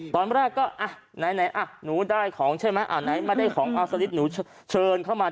ตอนแรกก็อะไหนหนูได้ของใช่ไหมอะไหนไม่ได้ของโอเคมาเชิญเชิญข้ามา